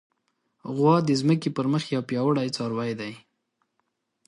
غوا د ځمکې پر مخ یو پیاوړی څاروی دی.